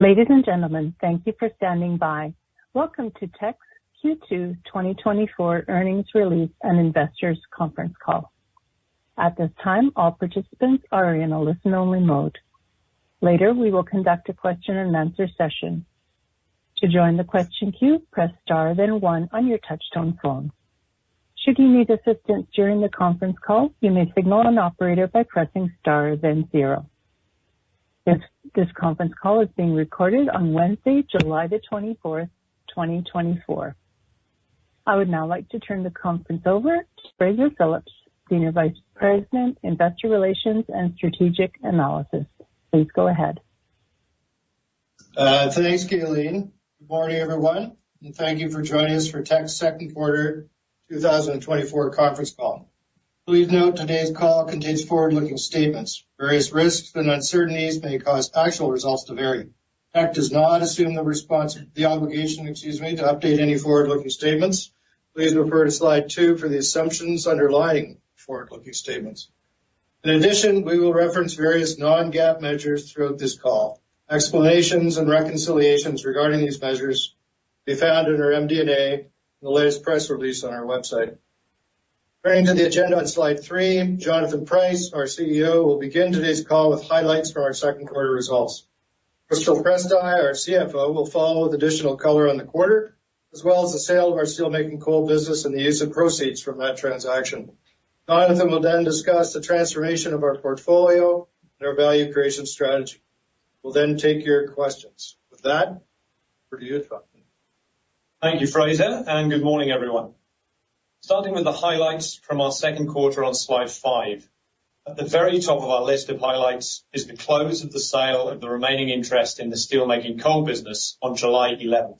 Ladies and gentlemen, thank you for standing by. Welcome to Teck's Q2 2024 earnings release and investors conference call. At this time, all participants are in a listen-only mode. Later, we will conduct a question-and-answer session. To join the question queue, press star then one on your touchtone phone. Should you need assistance during the conference call, you may signal an operator by pressing star then zero. This conference call is being recorded on Wednesday, July 24, 2024. I would now like to turn the conference over to Fraser Phillips, Senior Vice President, Investor Relations and Strategic Analysis. Please go ahead. Thanks, Gaylene. Good morning, everyone, and thank you for joining us for Teck's second quarter 2024 conference call. Please note, today's call contains forward-looking statements. Various risks and uncertainties may cause actual results to vary. Teck does not assume the obligation, excuse me, to update any forward-looking statements. Please refer to slide two for the assumptions underlying forward-looking statements. In addition, we will reference various non-GAAP measures throughout this call. Explanations and reconciliations regarding these measures can be found in our MD&A and the latest press release on our website. Turning to the agenda on slide three, Jonathan Price, our CEO, will begin today's call with highlights from our second quarter results. Crystal Prystai, our CFO, will follow with additional color on the quarter, as well as the sale of our steelmaking coal business and the use of proceeds from that transaction. Jonathan will then discuss the transformation of our portfolio and our value creation strategy. We'll then take your questions. With that, over to you, Jonathan. Thank you, Fraser, and good morning, everyone. Starting with the highlights from our second quarter on slide five. At the very top of our list of highlights is the close of the sale of the remaining interest in the steelmaking coal business on July 11.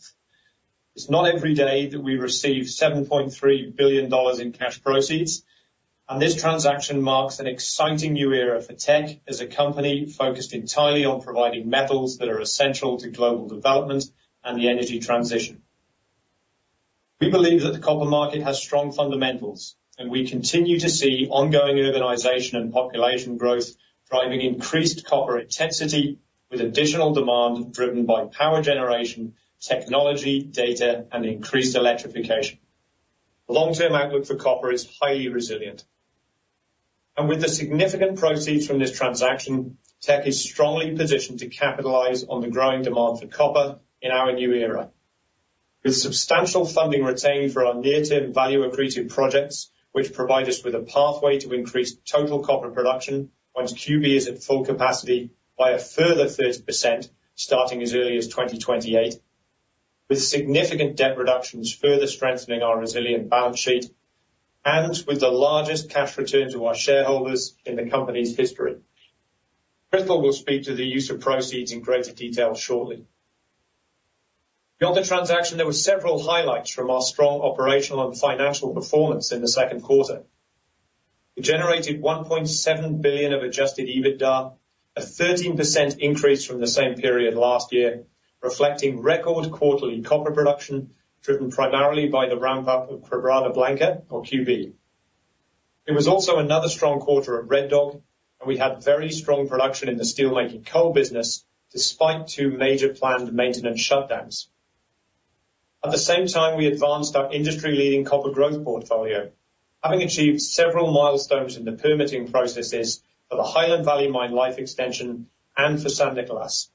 It's not every day that we receive $7.3 billion in cash proceeds, and this transaction marks an exciting new era for Teck as a company focused entirely on providing metals that are essential to global development and the energy transition. We believe that the copper market has strong fundamentals, and we continue to see ongoing urbanization and population growth, driving increased copper intensity with additional demand driven by power generation, technology, data, and increased electrification. The long-term outlook for copper is highly resilient. With the significant proceeds from this transaction, Teck is strongly positioned to capitalize on the growing demand for copper in our new era. With substantial funding retained for our near-term value-accretive projects, which provide us with a pathway to increase total copper production once QB is at full capacity by a further 30%, starting as early as 2028, with significant debt reductions further strengthening our resilient balance sheet and with the largest cash return to our shareholders in the company's history. Crystal will speak to the use of proceeds in greater detail shortly. Beyond the transaction, there were several highlights from our strong operational and financial performance in the second quarter. We generated $1.7 billion of Adjusted EBITDA, a 13% increase from the same period last year, reflecting record quarterly copper production, driven primarily by the ramp-up of Quebrada Blanca, or QB. It was also another strong quarter at Red Dog, and we had very strong production in the steelmaking coal business, despite two major planned maintenance shutdowns. At the same time, we advanced our industry-leading copper growth portfolio, having achieved several milestones in the permitting processes for the Highland Valley Copper mine life extension and for San Nicolás.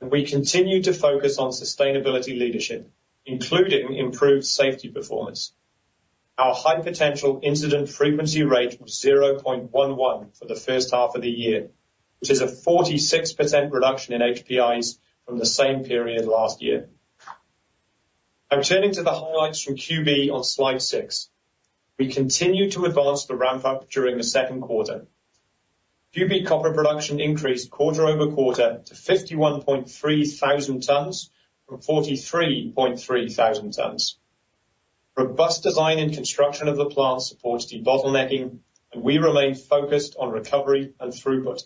We continue to focus on sustainability leadership, including improved safety performance. Our high potential incident frequency rate was 0.11 for the first half of the year, which is a 46% reduction in HPIs from the same period last year. Now, turning to the highlights from QB on slide six. We continued to advance the ramp-up during the second quarter. QB copper production increased quarter-over-quarter to 51,300 tonnes from 43,300 tonnes. Robust design and construction of the plant supports debottlenecking, and we remain focused on recovery and throughput.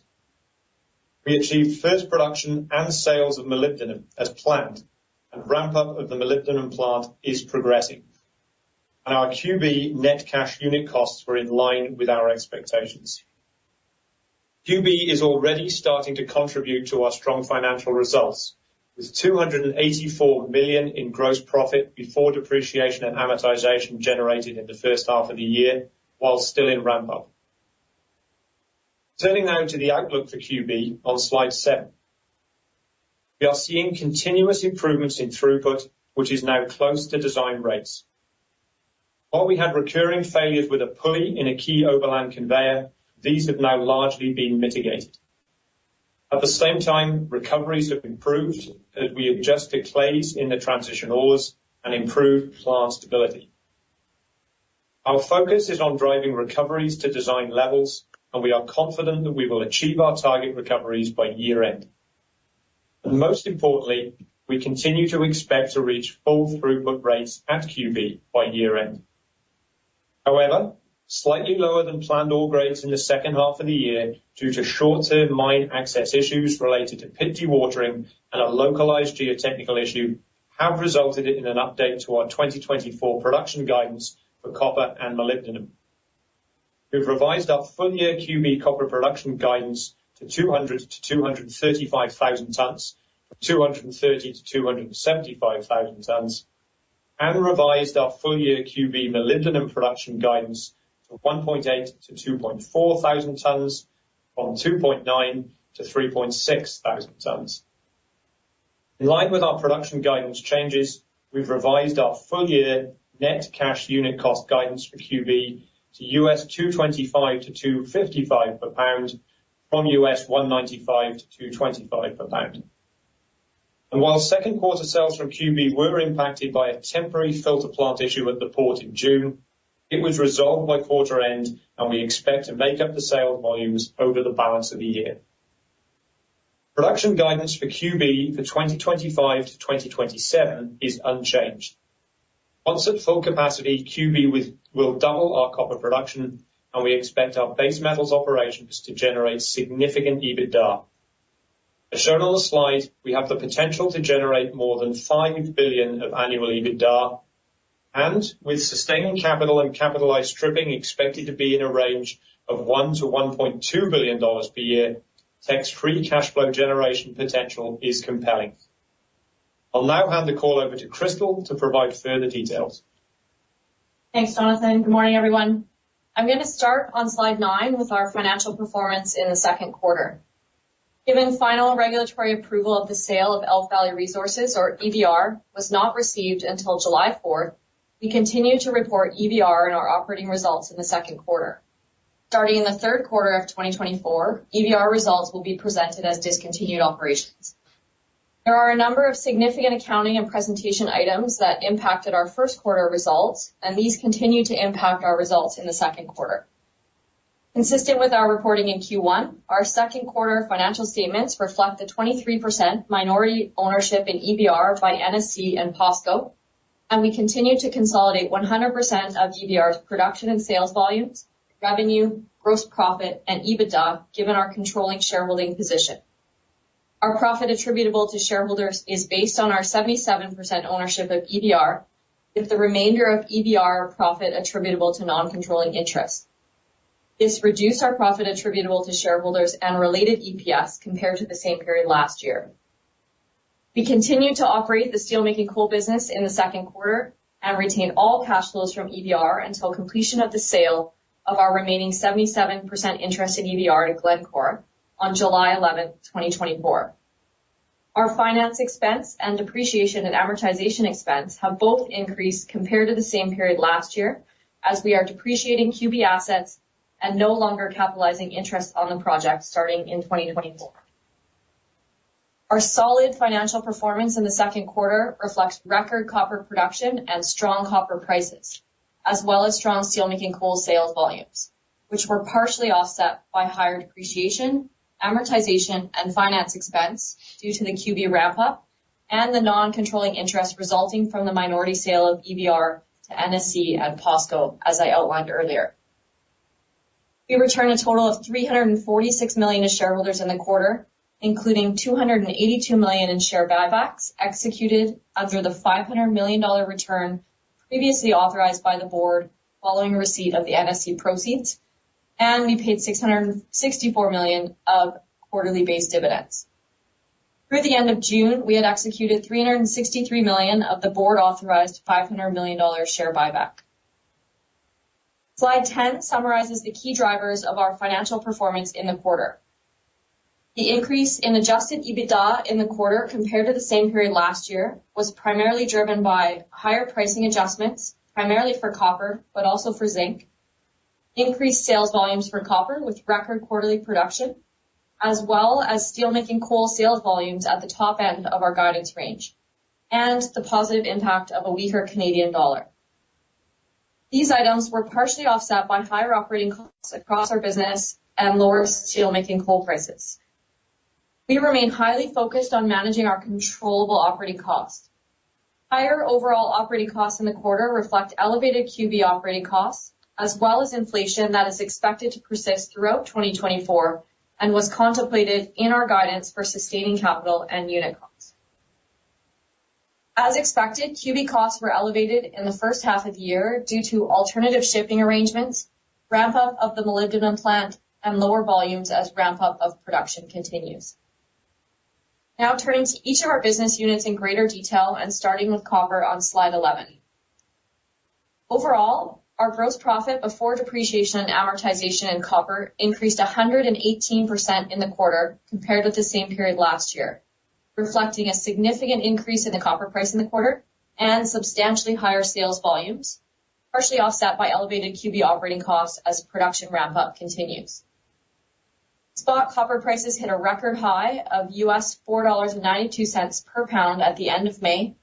We achieved first production and sales of molybdenum as planned, and ramp-up of the molybdenum plant is progressing. Our QB net cash unit costs were in line with our expectations. QB is already starting to contribute to our strong financial results, with 284 million in gross profit before depreciation and amortization generated in the first half of the year, while still in ramp-up. Turning now to the outlook for QB on slide seven. We are seeing continuous improvements in throughput, which is now close to design rates. While we had recurring failures with a pulley in a key overland conveyor, these have now largely been mitigated. At the same time, recoveries have improved as we adjusted clays in the transition ores and improved plant stability. Our focus is on driving recoveries to design levels, and we are confident that we will achieve our target recoveries by year-end. And most importantly, we continue to expect to reach full throughput rates at QB by year-end. However, slightly lower than planned ore grades in the second half of the year, due to short-term mine access issues related to pit dewatering and a localized geotechnical issue, have resulted in an update to our 2024 production guidance for copper and molybdenum... We've revised our full year QB copper production guidance to 200,000 tons-235,000 tons, from 230,00 tons-275,000 tons, and revised our full year QB molybdenum production guidance from 1,800 tons-2,400 tons, from 2,900 tons-3,600 tons. In line with our production guidance changes, we've revised our full-year net cash unit cost guidance for QB to $225-$255 per pound, from $195-$225 per pound. And while second quarter sales from QB were impacted by a temporary filter plant issue at the port in June, it was resolved by quarter end, and we expect to make up the sales volumes over the balance of the year. Production guidance for QB for 2025-2027 is unchanged. Once at full capacity, QB will double our copper production, and we expect our base metals operations to generate significant EBITDA. As shown on the slide, we have the potential to generate more than $5 billion of annual EBITDA, and with sustaining capital and capitalized stripping expected to be in a range of $1 billion-$1.2 billion per year, tax-free cash flow generation potential is compelling. I'll now hand the call over to Crystal to provide further details. Thanks, Jonathan. Good morning, everyone. I'm gonna start on slide nine with our financial performance in the second quarter. Given final regulatory approval of the sale of Elk Valley Resources, or EVR, was not received until July fourth, we continued to report EVR in our operating results in the second quarter. Starting in the third quarter of 2024, EVR results will be presented as discontinued operations. There are a number of significant accounting and presentation items that impacted our first quarter results, and these continued to impact our results in the second quarter. Consistent with our reporting in Q1, our second quarter financial statements reflect the 23% minority ownership in EVR by NSC and POSCO, and we continued to consolidate 100% of EVR's production and sales volumes, revenue, gross profit, and EBITDA, given our controlling shareholding position. Our profit attributable to shareholders is based on our 77% ownership of EVR, with the remainder of EVR profit attributable to non-controlling interests. This reduced our profit attributable to shareholders and related EPS compared to the same period last year. We continued to operate the steelmaking coal business in the second quarter and retained all cash flows from EVR until completion of the sale of our remaining 77% interest in EVR to Glencore on July 11, 2024. Our finance expense and depreciation and amortization expense have both increased compared to the same period last year, as we are depreciating QB assets and no longer capitalizing interest on the project starting in 2024. Our solid financial performance in the second quarter reflects record copper production and strong copper prices, as well as strong steelmaking coal sales volumes, which were partially offset by higher depreciation, amortization, and finance expense due to the QB ramp-up and the non-controlling interest resulting from the minority sale of EVR to NSC and POSCO, as I outlined earlier. We returned a total of 346 million to shareholders in the quarter, including 282 million in share buybacks, executed under the 500 million dollar return previously authorized by the board following receipt of the NSC proceeds, and we paid 664 million of quarterly base dividends. Through the end of June, we had executed 363 million of the board-authorized 500 million dollars share buyback. Slide 10 summarizes the key drivers of our financial performance in the quarter. The increase in Adjusted EBITDA in the quarter, compared to the same period last year, was primarily driven by higher pricing adjustments, primarily for copper, but also for zinc, increased sales volumes for copper with record quarterly production, as well as steelmaking coal sales volumes at the top end of our guidance range, and the positive impact of a weaker Canadian dollar. These items were partially offset by higher operating costs across our business and lower steelmaking coal prices. We remain highly focused on managing our controllable operating costs. Higher overall operating costs in the quarter reflect elevated QB operating costs, as well as inflation that is expected to persist throughout 2024 and was contemplated in our guidance for sustaining capital and unit costs. As expected, QB costs were elevated in the first half of the year due to alternative shipping arrangements, ramp-up of the molybdenum plant, and lower volumes as ramp-up of production continues. Now turning to each of our business units in greater detail and starting with copper on slide 11. Overall, our gross profit before depreciation and amortization in copper increased 118% in the quarter compared with the same period last year, reflecting a significant increase in the copper price in the quarter and substantially higher sales volumes, partially offset by elevated QB operating costs as production ramp-up continues. Spot copper prices hit a record high of $4.92 per pound at the end of May,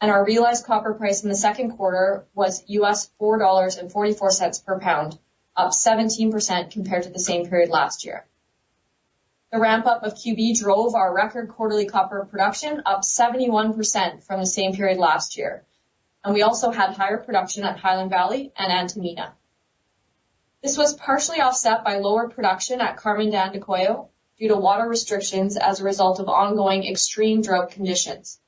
and our realized copper price in the second quarter was $4.44 per pound, up 17% compared to the same period last year. The ramp-up of QB drove our record quarterly copper production up 71% from the same period last year, and we also had higher production at Highland Valley and Antamina. This was partially offset by lower production at Carmen de Andacollo due to water restrictions as a result of ongoing extreme drought conditions.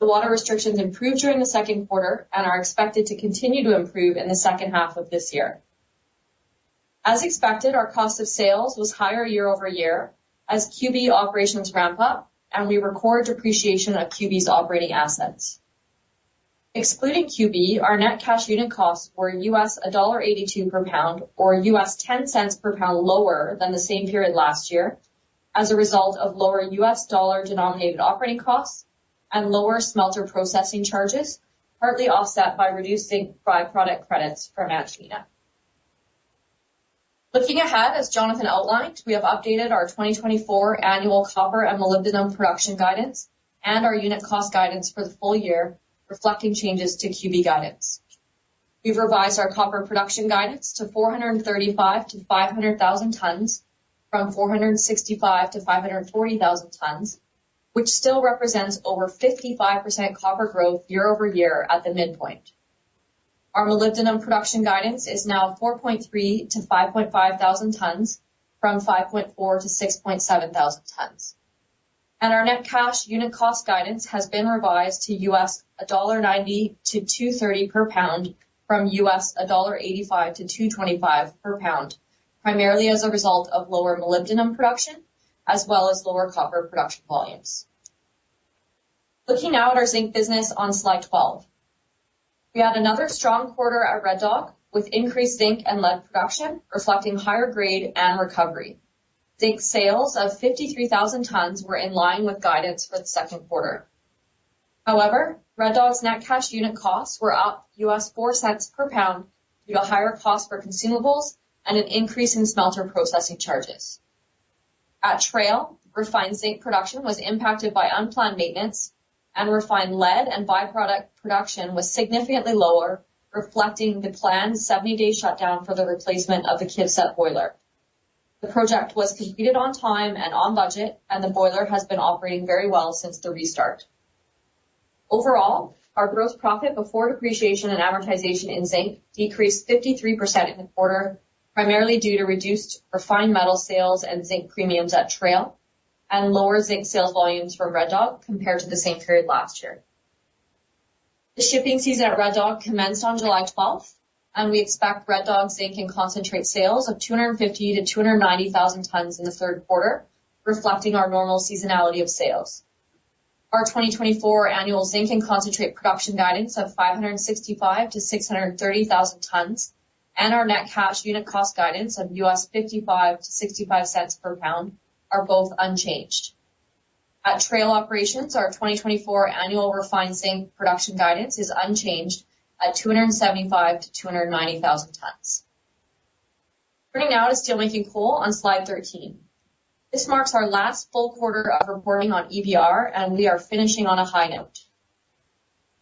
The water restrictions improved during the second quarter and are expected to continue to improve in the second half of this year. As expected, our cost of sales was higher year-over-year as QB operations ramp up, and we record depreciation of QB's operating assets. Excluding QB, our net cash unit costs were $1.82 per pound, or $0.10 per pound lower than the same period last year, as a result of lower US dollar-denominated operating costs and lower smelter processing charges, partly offset by reducing by-product credits from Antamina. Looking ahead, as Jonathan outlined, we have updated our 2024 annual copper and molybdenum production guidance and our unit cost guidance for the full year, reflecting changes to QB guidance. We've revised our copper production guidance to 435,000 tons-500,000 tons, from 465,000 tons-540,000 tons, which still represents over 55% copper growth year-over-year at the midpoint. Our molybdenum production guidance is now 4,300 tons-5,500 tons, from 5,400 tons-6,700 tons. Our net cash unit cost guidance has been revised to $1.90-$2.30 per pound, from $1.85-$2.25 per pound, primarily as a result of lower molybdenum production as well as lower copper production volumes. Looking now at our zinc business on slide 12. We had another strong quarter at Red Dog, with increased zinc and lead production reflecting higher grade and recovery. Zinc sales of 53,000 tons were in line with guidance for the second quarter. However, Red Dog's net cash unit costs were up $0.04 per pound due to higher costs for consumables and an increase in smelter processing charges. At Trail, refined zinc production was impacted by unplanned maintenance, and refined lead and by-product production was significantly lower, reflecting the planned 70-day shutdown for the replacement of the KIVCET boiler. The project was completed on time and on budget, and the boiler has been operating very well since the restart. Overall, our gross profit before depreciation and amortization in zinc decreased 53% in the quarter, primarily due to reduced refined metal sales and zinc premiums at Trail and lower zinc sales volumes from Red Dog compared to the same period last year. The shipping season at Red Dog commenced on July 12th, and we expect Red Dog zinc and concentrate sales of 250,000 tons-290,000 tons in the third quarter, reflecting our normal seasonality of sales. Our 2024 annual zinc and concentrate production guidance of 565,000 tons-630,000 tons, and our net cash unit cost guidance of $0.55-$0.65 per pound are both unchanged. At Trail operations, our 2024 annual refined zinc production guidance is unchanged at 275,000 tons-290,000 tons. Turning now to steelmaking coal on slide 13. This marks our last full quarter of reporting on EVR, and we are finishing on a high note.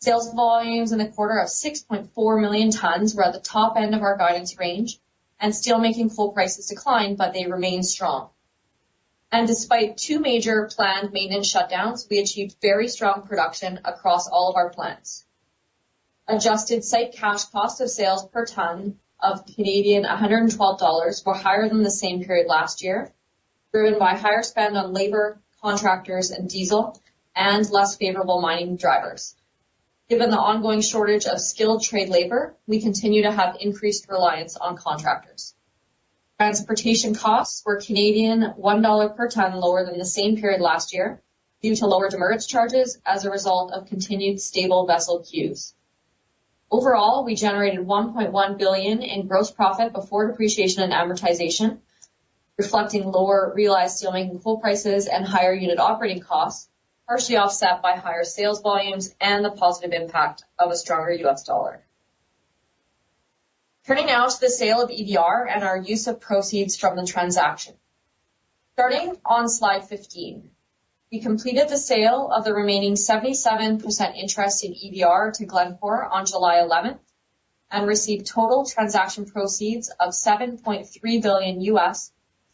Sales volumes in the quarter of 6.4 million tons were at the top end of our guidance range, and steelmaking coal prices declined, but they remained strong. Despite two major planned maintenance shutdowns, we achieved very strong production across all of our plants. Adjusted site cash cost of sales per ton of 112 Canadian dollars were higher than the same period last year, driven by higher spend on labor, contractors, and diesel, and less favorable mining drivers. Given the ongoing shortage of skilled trade labor, we continue to have increased reliance on contractors. Transportation costs were 1 Canadian dollar per ton lower than the same period last year due to lower demurrage charges as a result of continued stable vessel queues. Overall, we generated 1.1 billion in gross profit before depreciation and amortization, reflecting lower realized steelmaking coal prices and higher unit operating costs, partially offset by higher sales volumes and the positive impact of a stronger US dollar. Turning now to the sale of EVR and our use of proceeds from the transaction. Starting on slide 15, we completed the sale of the remaining 77% interest in EVR to Glencore on July 11 and received total transaction proceeds of $7.3 billion,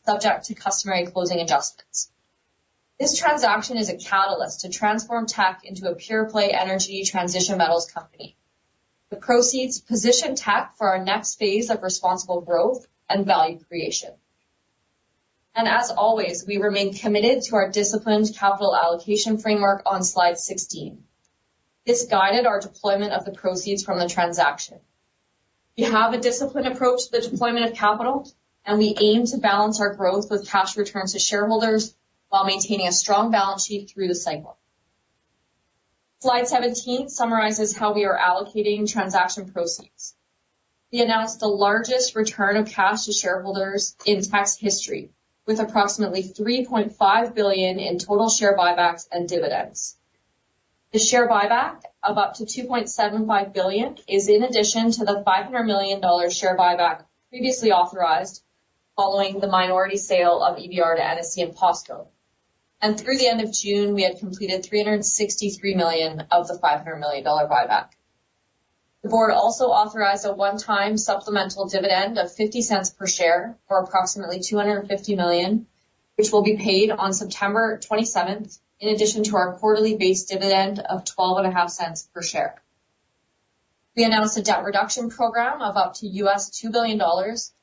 subject to customary closing adjustments. This transaction is a catalyst to transform Teck into a pure-play energy transition metals company. The proceeds position Teck for our next phase of responsible growth and value creation. And as always, we remain committed to our disciplined capital allocation framework on slide 16. This guided our deployment of the proceeds from the transaction. We have a disciplined approach to the deployment of capital, and we aim to balance our growth with cash returns to shareholders while maintaining a strong balance sheet through the cycle. Slide 17 summarizes how we are allocating transaction proceeds. We announced the largest return of cash to shareholders in Teck's history, with approximately $3.5 billion in total share buybacks and dividends. The share buyback of up to $2.75 billion is in addition to the $500 million share buyback previously authorized following the minority sale of EVR to NSC and POSCO. Through the end of June, we had completed $363 million of the $500 million buyback. The board also authorized a one-time supplemental dividend of 0.50 per share, or approximately 250 million, which will be paid on September 27, in addition to our quarterly base dividend of 0.125 per share. We announced a debt reduction program of up to $2 billion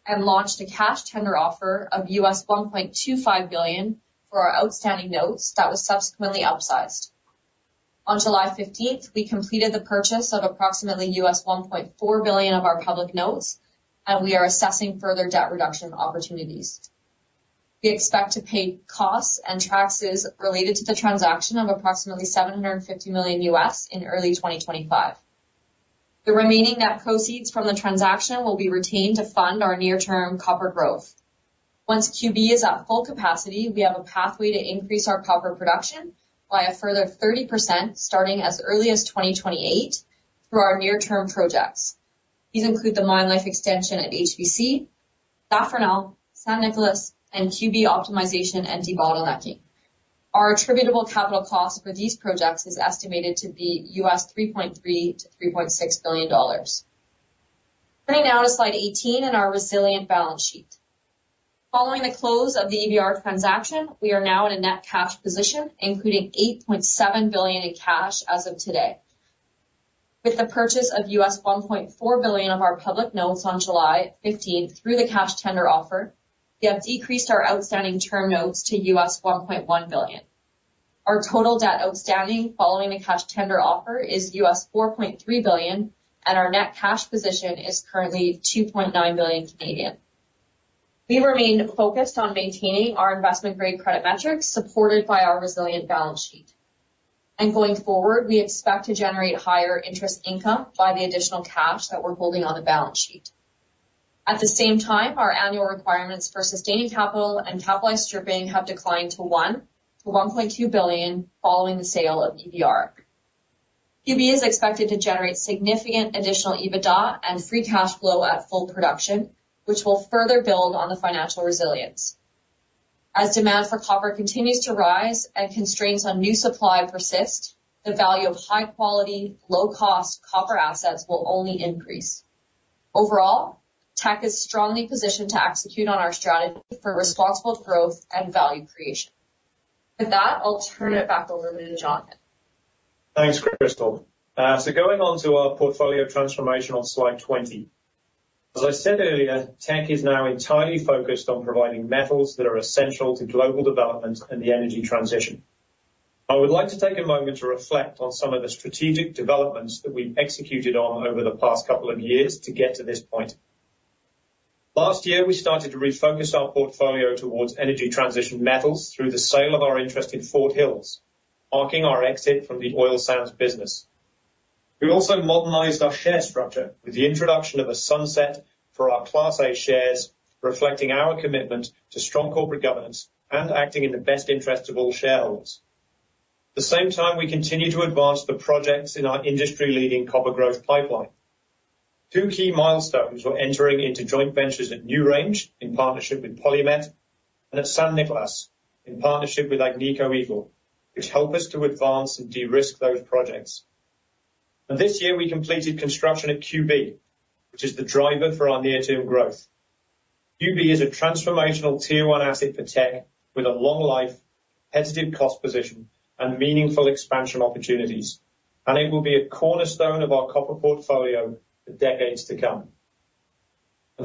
and launched a cash tender offer of $1.25 billion for our outstanding notes that was subsequently upsized. On July 15, we completed the purchase of approximately $1.4 billion of our public notes, and we are assessing further debt reduction opportunities. We expect to pay costs and taxes related to the transaction of approximately $750 million in early 2025. The remaining net proceeds from the transaction will be retained to fund our near-term copper growth. Once QB is at full capacity, we have a pathway to increase our copper production by a further 30%, starting as early as 2028 through our near-term projects. These include the mine life extension at HVC, Zafranal, San Nicolás, and QB optimization and debottlenecking. Our attributable capital cost for these projects is estimated to be $3.3 billion-$3.6 billion. Turning now to slide 18 and our resilient balance sheet. Following the close of the EVR transaction, we are now in a net cash position, including $8.7 billion in cash as of today. With the purchase of $1.4 billion of our public notes on July 15 through the cash tender offer, we have decreased our outstanding term notes to $1.1 billion. Our total debt outstanding following the cash tender offer is $4.3 billion, and our net cash position is currently 2.9 billion. We remain focused on maintaining our investment-grade credit metrics, supported by our resilient balance sheet. Going forward, we expect to generate higher interest income by the additional cash that we're holding on the balance sheet. At the same time, our annual requirements for sustaining capital and capitalized stripping have declined to 1 billion-1.2 billion following the sale of EVR. QB is expected to generate significant additional EBITDA and free cash flow at full production, which will further build on the financial resilience. As demand for copper continues to rise and constraints on new supply persist, the value of high quality, low-cost copper assets will only increase. Overall, Teck is strongly positioned to execute on our strategy for responsible growth and value creation. With that, I'll turn it back over to Jonathan. Thanks, Crystal. So going on to our portfolio transformation on slide 20. As I said earlier, Teck is now entirely focused on providing metals that are essential to global development and the energy transition. I would like to take a moment to reflect on some of the strategic developments that we've executed on over the past couple of years to get to this point. Last year, we started to refocus our portfolio towards energy transition metals through the sale of our interest in Fort Hills, marking our exit from the oil sands business. We also modernized our share structure with the introduction of a sunset for our Class A shares, reflecting our commitment to strong corporate governance and acting in the best interest of all shareholders. At the same time, we continue to advance the projects in our industry-leading copper growth pipeline. Two key milestones were entering into joint ventures at NewRange, in partnership with PolyMet, and at San Nicolás, in partnership with Agnico Eagle, which help us to advance and de-risk those projects. This year, we completed construction at QB, which is the driver for our near-term growth. QB is a transformational Tier 1 asset for Teck, with a long life, competitive cost position, and meaningful expansion opportunities, and it will be a cornerstone of our copper portfolio for decades to come.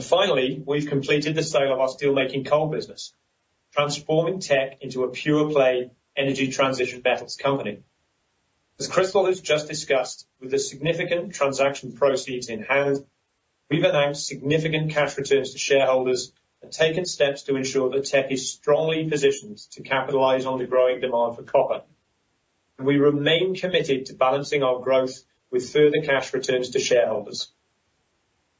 Finally, we've completed the sale of our steelmaking coal business, transforming Teck into a pure-play energy transition metals company. As Crystal has just discussed, with the significant transaction proceeds in hand, we've announced significant cash returns to shareholders and taken steps to ensure that Teck is strongly positioned to capitalize on the growing demand for copper. We remain committed to balancing our growth with further cash returns to shareholders.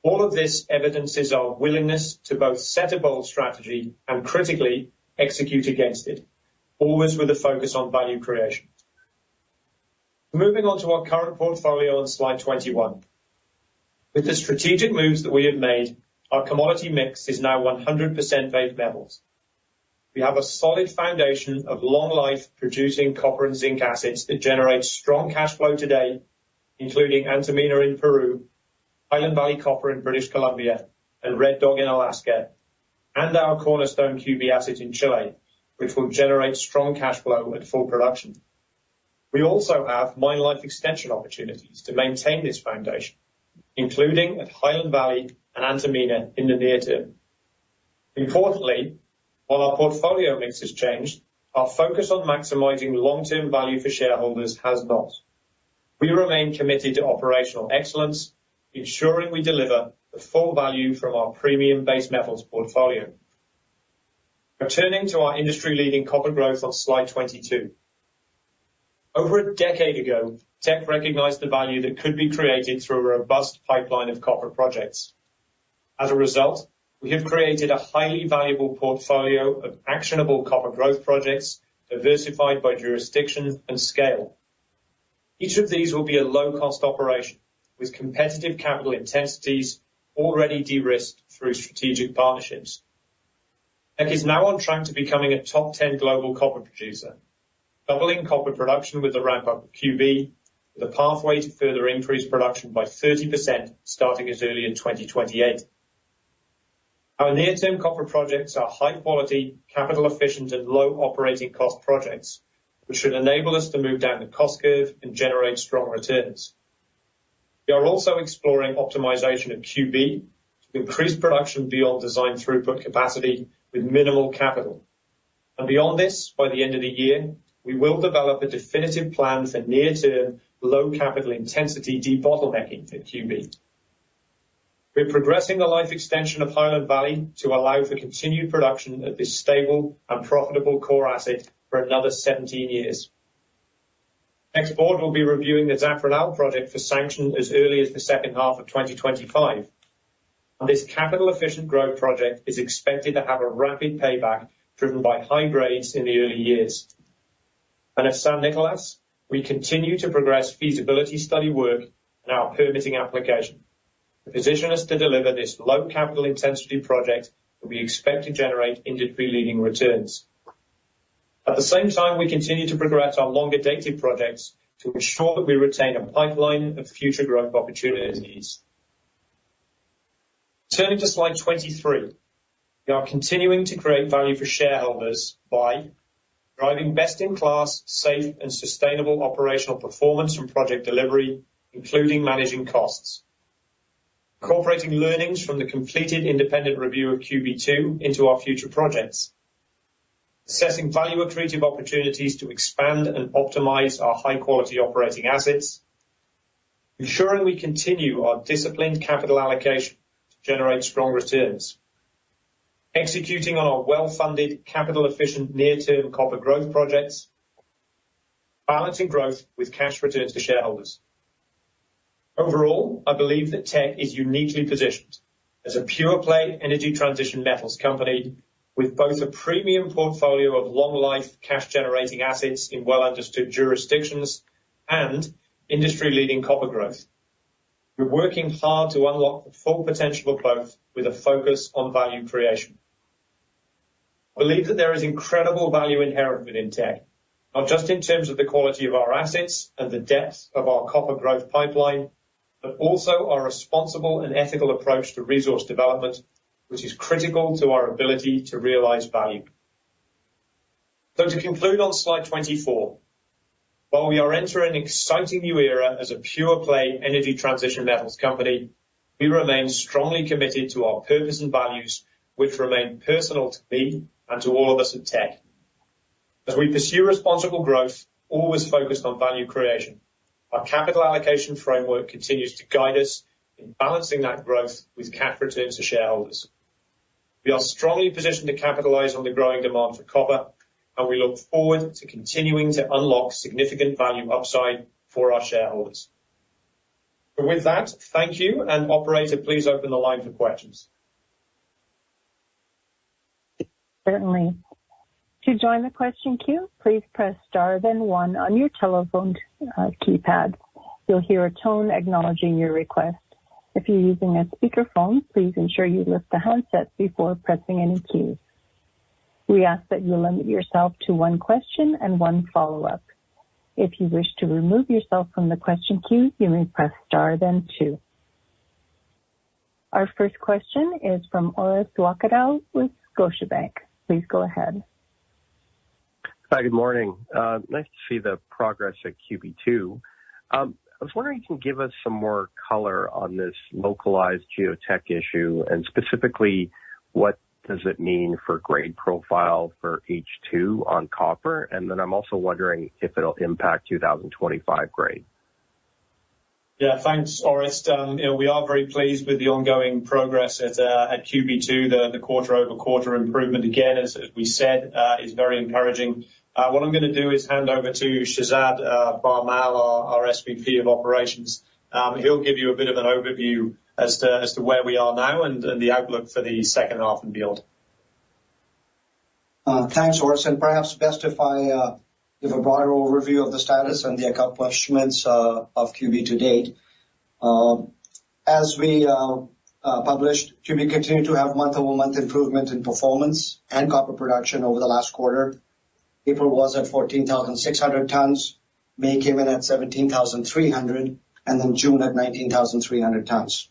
All of this evidences our willingness to both set a bold strategy and critically execute against it, always with a focus on value creation. Moving on to our current portfolio on slide 21. With the strategic moves that we have made, our commodity mix is now 100% base metals. We have a solid foundation of long life, producing copper and zinc assets that generate strong cash flow today, including Antamina in Peru, Highland Valley Copper in British Columbia, and Red Dog in Alaska, and our cornerstone QB asset in Chile, which will generate strong cash flow at full production. We also have mine life extension opportunities to maintain this foundation, including at Highland Valley and Antamina in the near term. Importantly, while our portfolio mix has changed, our focus on maximizing long-term value for shareholders has not. We remain committed to operational excellence, ensuring we deliver the full value from our premium-based metals portfolio. Returning to our industry-leading copper growth on slide 22. Over a decade ago, Teck recognized the value that could be created through a robust pipeline of copper projects. As a result, we have created a highly valuable portfolio of actionable copper growth projects, diversified by jurisdiction and scale. Each of these will be a low-cost operation with competitive capital intensities already de-risked through strategic partnerships. Teck is now on track to becoming a top 10 global copper producer, doubling copper production with the ramp-up of QB, with a pathway to further increase production by 30%, starting as early as 2028.... Our near-term copper projects are high quality, capital efficient, and low operating cost projects, which should enable us to move down the cost curve and generate strong returns. We are also exploring optimization at QB to increase production beyond design throughput capacity with minimal capital. Beyond this, by the end of the year, we will develop a definitive plan for near-term, low capital intensity debottlenecking at QB. We're progressing the life extension of Highland Valley to allow for continued production at this stable and profitable core asset for another 17 years. Next board, we'll be reviewing the Zafranal project for sanction as early as the second half of 2025, and this capital-efficient growth project is expected to have a rapid payback, driven by high grades in the early years. At San Nicolás, we continue to progress feasibility study work and our permitting application to position us to deliver this low capital intensity project that we expect to generate industry-leading returns. At the same time, we continue to progress our longer-dated projects to ensure that we retain a pipeline of future growth opportunities. Turning to slide 23. We are continuing to create value for shareholders by driving best-in-class, safe, and sustainable operational performance from project delivery, including managing costs. Incorporating learnings from the completed independent review of QB2 into our future projects. Assessing value accretive opportunities to expand and optimize our high-quality operating assets. Ensuring we continue our disciplined capital allocation to generate strong returns. Executing on our well-funded, capital-efficient, near-term copper growth projects. Balancing growth with cash returns to shareholders. Overall, I believe that Teck is uniquely positioned as a pure-play energy transition metals company with both a premium portfolio of long-life, cash-generating assets in well-understood jurisdictions and industry-leading copper growth. We're working hard to unlock the full potential of growth with a focus on value creation. I believe that there is incredible value inherent within Teck, not just in terms of the quality of our assets and the depth of our copper growth pipeline, but also our responsible and ethical approach to resource development, which is critical to our ability to realize value. So to conclude on slide 24, while we are entering an exciting new era as a pure-play energy transition metals company, we remain strongly committed to our purpose and values, which remain personal to me and to all of us at Teck. As we pursue responsible growth, always focused on value creation, our capital allocation framework continues to guide us in balancing that growth with cash returns to shareholders. We are strongly positioned to capitalize on the growing demand for copper, and we look forward to continuing to unlock significant value upside for our shareholders. With that, thank you, and operator, please open the line for questions. Certainly. To join the question queue, please press Star then one on your telephone keypad. You'll hear a tone acknowledging your request. If you're using a speakerphone, please ensure you lift the handset before pressing any keys. We ask that you limit yourself to one question and one follow-up. If you wish to remove yourself from the question queue, you may press Star then two. Our first question is from Orest Wowkodaw with Scotiabank. Please go ahead. Hi, good morning. Nice to see the progress at QB2. I was wondering if you can give us some more color on this localized geotech issue, and specifically, what does it mean for grade profile for H2 on copper? And then I'm also wondering if it'll impact 2025 grade. Yeah, thanks, Orest. You know, we are very pleased with the ongoing progress at QB2. The quarter-over-quarter improvement, again, as we said, is very encouraging. What I'm gonna do is hand over to Shehzad Bharmal, our SVP of Operations. He'll give you a bit of an overview as to where we are now and the outlook for the second half and beyond. Thanks, Orest, and perhaps best if I give a broader overview of the status and the accomplishments of QB to date. As we published, QB continued to have month-over-month improvement in performance and copper production over the last quarter. April was at 14,600 tons, May came in at 17,300, and then June at 19,300 tons.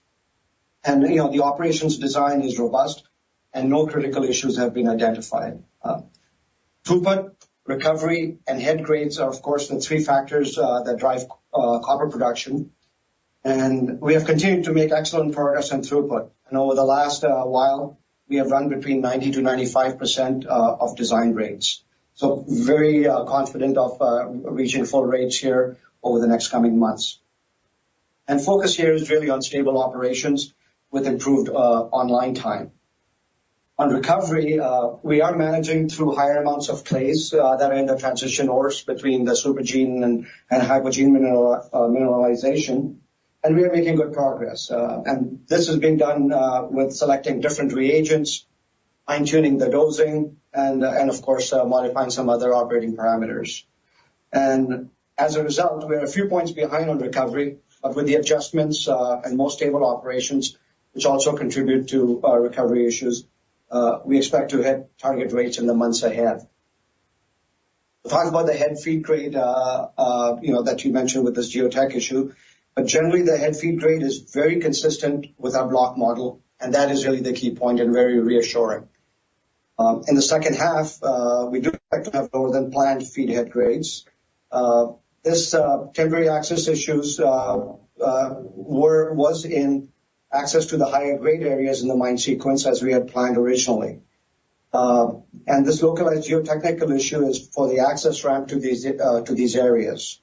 And, you know, the operations design is robust, and no critical issues have been identified. Throughput, recovery, and head grades are, of course, the three factors that drive copper production, and we have continued to make excellent progress on throughput. And over the last while, we have run between 90%-95% of design rates. So very confident of reaching full rates here over the next coming months. Focus here is really on stable operations with improved online time. On recovery, we are managing through higher amounts of clays that are in the transition ores between the supergene and hypogene mineralization, and we are making good progress. This is being done with selecting different reagents, fine-tuning the dosing and, of course, modifying some other operating parameters. As a result, we are a few points behind on recovery, but with the adjustments and more stable operations, which also contribute to recovery issues, we expect to hit target rates in the months ahead. We'll talk about the head feed grade, you know, that you mentioned with this geotech issue. But generally, the head feed grade is very consistent with our block model, and that is really the key point and very reassuring. In the second half, we do expect to have better than planned feed head grades. This temporary access issues was in access to the higher grade areas in the mine sequence as we had planned originally. And this localized geotechnical issue is for the access ramp to these areas.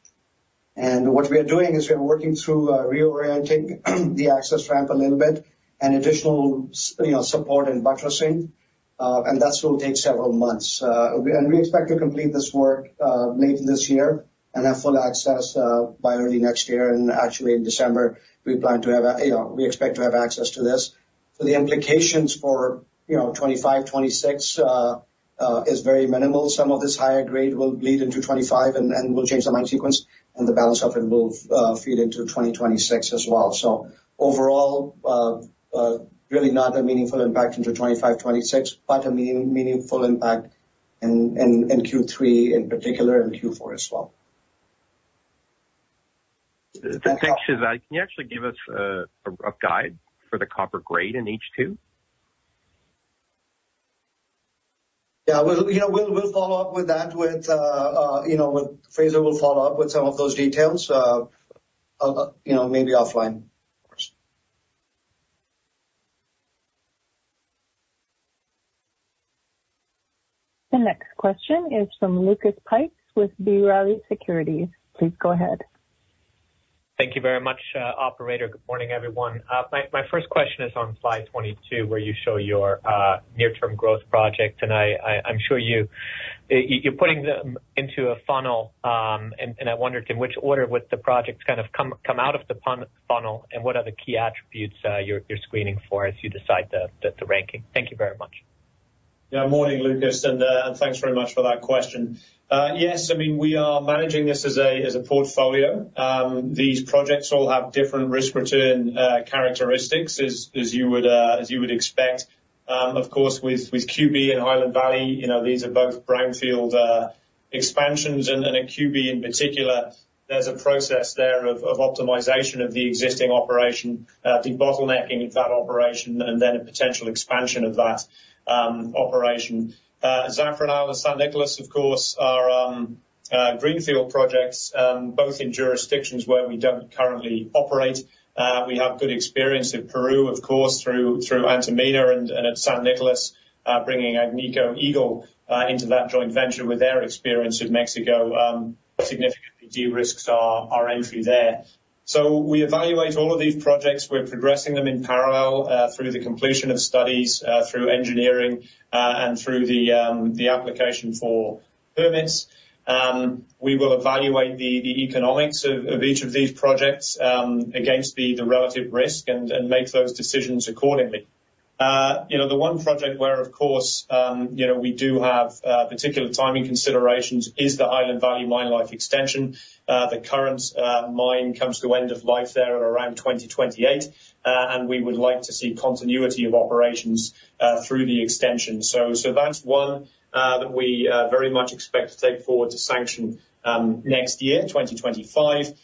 And what we are doing is we are working through reorienting the access ramp a little bit and additional support and buttressing, and that will take several months. And we expect to complete this work late this year and have full access by early next year. Actually, in December, we plan to have, you know, we expect to have access to this. So the implications for, you know, 2025, 2026, is very minimal. Some of this higher grade will bleed into 2025 and will change the mine sequence, and the balance of it will feed into 2026 as well. So overall, really not a meaningful impact into 2025, 2026, but a meaningful impact in Q3 in particular, and Q4 as well. Thanks, Shehzad. Can you actually give us a guide for the copper grade in H2? Yeah, we'll, you know, follow up with that, you know, with Fraser will follow up with some of those details, you know, maybe offline. Of course. The next question is from Lucas Pipes with B. Riley Securities. Please go ahead. Thank you very much, operator. Good morning, everyone. My first question is on slide 22, where you show your near-term growth project, and I'm sure you're putting them into a funnel, and I wondered in which order would the projects kind of come out of the funnel, and what are the key attributes you're screening for as you decide the ranking? Thank you very much. Yeah, morning, Lucas, and thanks very much for that question. Yes, I mean, we are managing this as a portfolio. These projects all have different risk-return characteristics, as you would expect. Of course, with QB and Highland Valley, you know, these are both brownfield expansions, and at QB in particular, there's a process there of optimization of the existing operation, debottlenecking that operation and then a potential expansion of that operation. Zafranal and San Nicolás, of course, are greenfield projects, both in jurisdictions where we don't currently operate. We have good experience in Peru, of course, through Antamina and at San Nicolás, bringing Agnico Eagle into that joint venture with their experience in Mexico, significantly de-risked our entry there. So we evaluate all of these projects. We're progressing them in parallel, through the completion of studies, through engineering, and through the application for permits. We will evaluate the economics of each of these projects, against the relative risk and make those decisions accordingly. You know, the one project where, of course, you know, we do have particular timing considerations is the Highland Valley mine life extension. The current mine comes to end of life there at around 2028, and we would like to see continuity of operations, through the extension. So that's one that we very much expect to take forward to sanction, next year, 2025.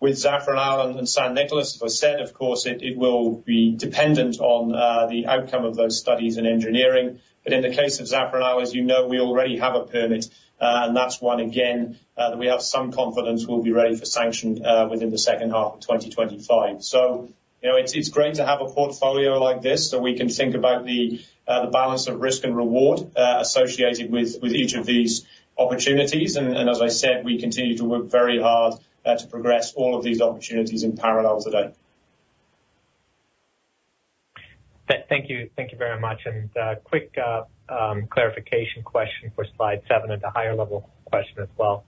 With Zafranal and San Nicolás, as I said, of course, it will be dependent on the outcome of those studies in engineering. But in the case of Zafranal, as you know, we already have a permit, and that's one, again, that we have some confidence will be ready for sanction within the second half of 2025. So you know, it's great to have a portfolio like this, so we can think about the balance of risk and reward associated with each of these opportunities. And as I said, we continue to work very hard to progress all of these opportunities in parallel today. Thank you. Thank you very much. And quick clarification question for slide seven, and a higher-level question as well.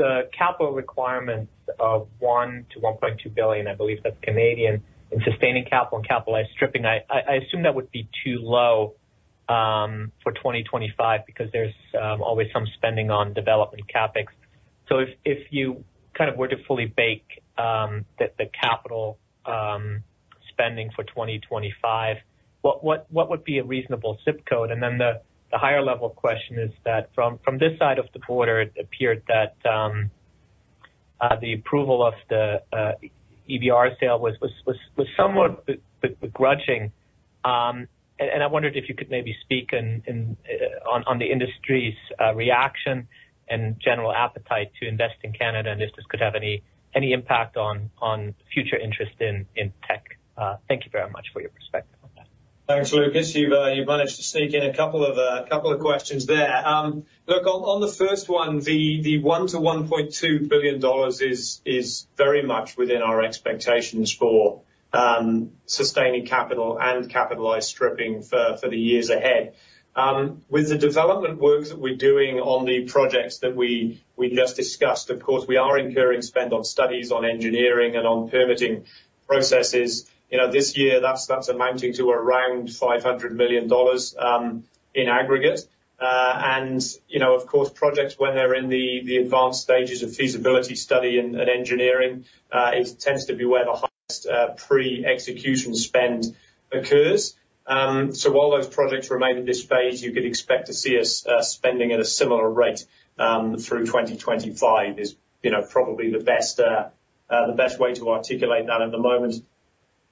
The capital requirements of 1 billion-1.2 billion, I believe that's Canadian, in sustaining capital and capitalized stripping, I assume that would be too low for 2025 because there's always some spending on development CapEx. So if you kind of were to fully bake the capital spending for 2025, what would be a reasonable zip code? And then the higher-level question is that from this side of the border, it appeared that the approval of the EVR sale was somewhat begrudging. I wondered if you could maybe speak on the industry's reaction and general appetite to invest in Canada, and if this could have any impact on future interest in Teck. Thank you very much for your perspective on that. Thanks, Lucas. You've, you've managed to sneak in a couple of, couple of questions there. Look, on, on the first one, the, the 1 billion dollars-CAD1.2 billion is, is very much within our expectations for, sustaining capital and capitalized stripping for, for the years ahead. With the development works that we're doing on the projects that we, we just discussed, of course, we are incurring spend on studies, on engineering, and on permitting processes. You know, this year, that's, that's amounting to around 500 million dollars, in aggregate. And, you know, of course, projects, when they're in the, the advanced stages of feasibility study and, and engineering, it tends to be where the highest, pre-execution spend occurs. So while those projects remain in this phase, you could expect to see us spending at a similar rate through 2025 is, you know, probably the best the best way to articulate that at the moment.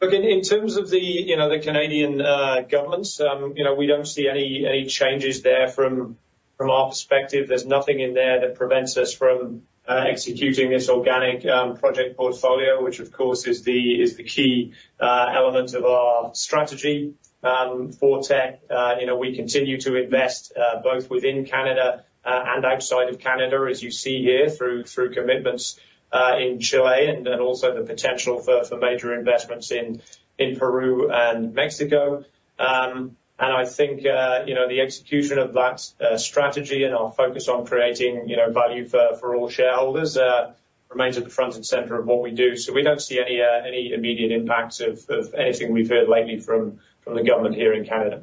Look, in terms of the, you know, the Canadian governments, you know, we don't see any changes there from our perspective. There's nothing in there that prevents us from executing this organic project portfolio, which of course, is the key element of our strategy for Teck. You know, we continue to invest both within Canada and outside of Canada, as you see here, through commitments in Chile and also the potential for major investments in Peru and Mexico. And I think, you know, the execution of that strategy and our focus on creating, you know, value for all shareholders remains at the front and center of what we do. So we don't see any immediate impacts of anything we've heard lately from the government here in Canada.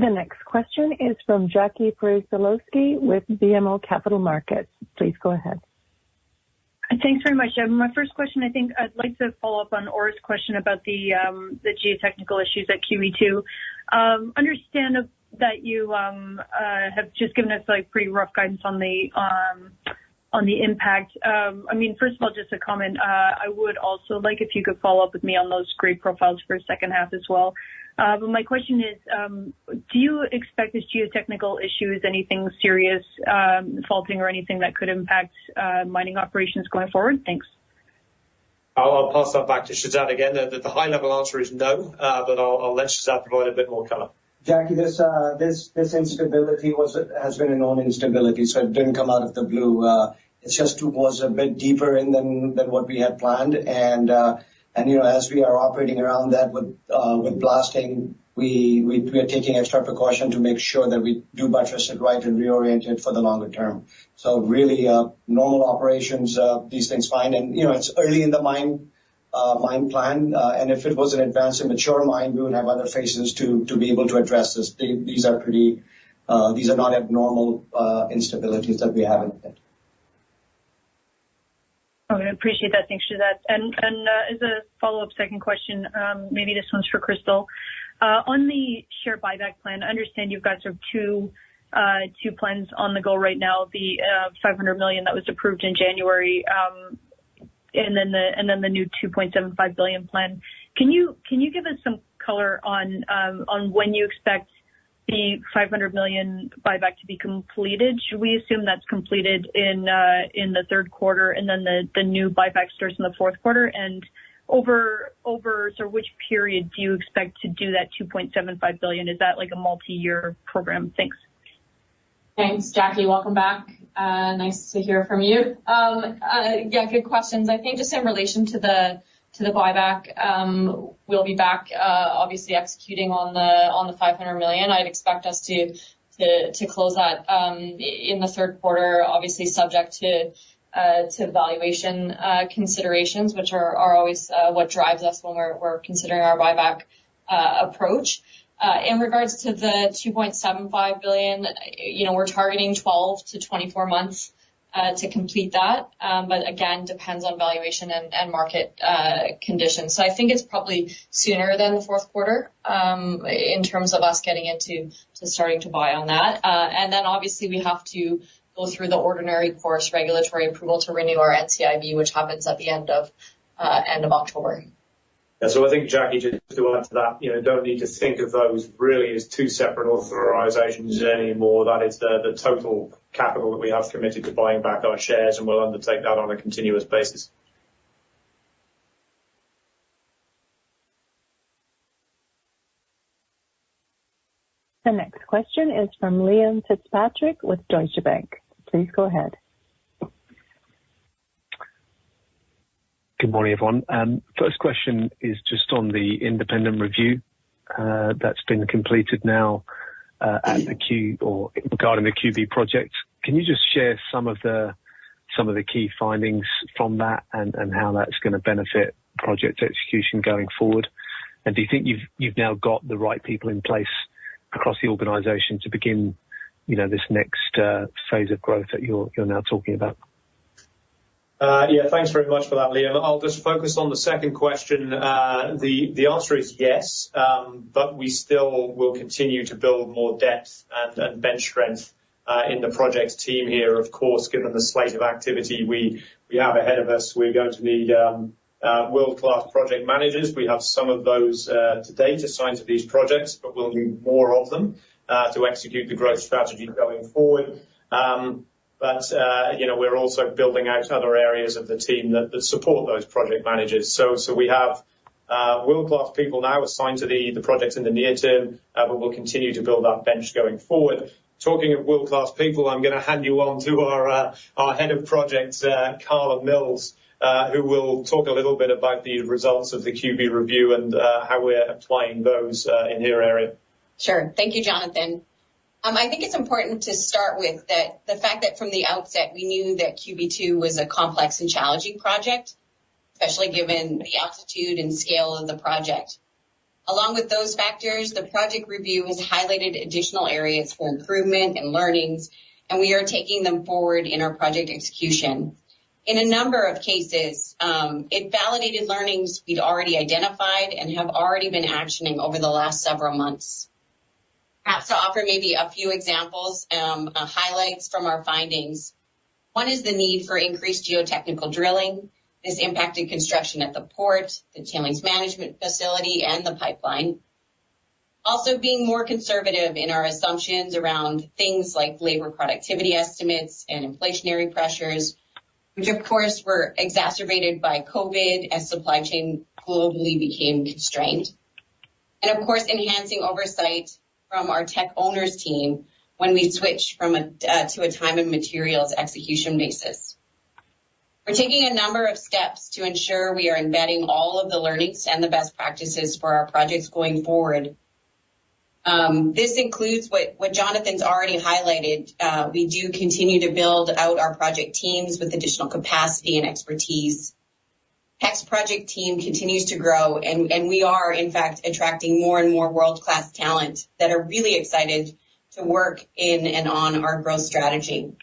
The next question is from Jackie Przybylowski with BMO Capital Markets. Please go ahead. Thanks very much. My first question, I think I'd like to follow up on Orest's question about the geotechnical issues at QB2. I understand that you have just given us, like, pretty rough guidance on the impact. I mean, first of all, just a comment. I would also like if you could follow up with me on those grade profiles for a second half as well. But my question is, do you expect these geotechnical issues, anything serious, faulting or anything that could impact mining operations going forward? Thanks. I'll pass that back to Shehzad again. The high-level answer is no, but I'll let Shehzad provide a bit more color. Jackie, this instability was a-- has been a known instability, so it didn't come out of the blue. It just was a bit deeper in than what we had planned. And, you know, as we are operating around that with blasting, we are taking extra precaution to make sure that we do buttress it right and reorient it for the longer term. So really, normal operations, these things fine. And, you know, it's early in the mine, mine plan, and if it was an advanced and mature mine, we would have other phases to be able to address this. These are pretty, these are not abnormal, instabilities that we have in it. Okay, I appreciate that. Thanks, Shehzad. And as a follow-up second question, maybe this one's for Crystal. On the share buyback plan, I understand you've got sort of two plans on the go right now, the 500 million that was approved in January, and then the new 2.75 billion plan. Can you give us some color on when you expect the 500 million buyback to be completed? Should we assume that's completed in the third quarter, and then the new buyback starts in the fourth quarter? And so which period do you expect to do that 2.75 billion? Is that like a multiyear program? Thanks. Thanks, Jackie. Welcome back. Nice to hear from you. Yeah, good questions. I think just in relation to the, to the buyback, we'll be back, obviously executing on the, on the 500 million. I'd expect us to, to, to close that, in the third quarter, obviously subject to valuation, considerations, which are, are always, what drives us when we're, we're considering our buyback, approach. In regards to the 2.75 billion, you know, we're targeting 12-24 months, to complete that, but again, depends on valuation and, and market, conditions. So I think it's probably sooner than the fourth quarter, in terms of us getting into to starting to buy on that. Obviously, we have to go through the ordinary course regulatory approval to renew our NCIB, which happens at the end of October. Yeah. So I think, Jackie, just to add to that, you know, don't need to think of those really as two separate authorizations anymore. That is the, the total capital that we have committed to buying back our shares, and we'll undertake that on a continuous basis. The next question is from Liam Fitzpatrick with Deutsche Bank. Please go ahead. Good morning, everyone. First question is just on the independent review that's been completed now at the QB regarding the QB project. Can you just share some of the key findings from that and how that's gonna benefit project execution going forward? And do you think you've now got the right people in place across the organization to begin, you know, this next phase of growth that you're now talking about? Yeah, thanks very much for that, Liam. I'll just focus on the second question. The answer is yes, but we still will continue to build more depth and bench strength in the project team here. Of course, given the slate of activity we have ahead of us, we're going to need world-class project managers. We have some of those today assigned to these projects, but we'll need more of them to execute the growth strategy going forward. But you know, we're also building out other areas of the team that support those project managers. So we have world-class people now assigned to the projects in the near term, but we'll continue to build that bench going forward. Talking of world-class people, I'm gonna hand you on to our head of projects, Karla Mills, who will talk a little bit about the results of the QB review and how we're applying those in her area. Sure. Thank you, Jonathan. I think it's important to start with that, the fact that from the outset, we knew that QB2 was a complex and challenging project, especially given the altitude and scale of the project. Along with those factors, the project review has highlighted additional areas for improvement and learnings, and we are taking them forward in our project execution…. In a number of cases, it validated learnings we'd already identified and have already been actioning over the last several months. Perhaps to offer maybe a few examples, highlights from our findings. One is the need for increased geotechnical drilling is impacting construction at the port, the tailings management facility, and the pipeline. Also, being more conservative in our assumptions around things like labor productivity estimates and inflationary pressures, which, of course, were exacerbated by COVID as supply chain globally became constrained. Of course, enhancing oversight from our Teck owners team when we switch from a to a time and materials execution basis. We're taking a number of steps to ensure we are embedding all of the learnings and the best practices for our projects going forward. This includes what Jonathan's already highlighted, we do continue to build out our project teams with additional capacity and expertise. HVC project team continues to grow, and we are, in fact, attracting more and more world-class talent that are really excited to work in and on our growth strategy.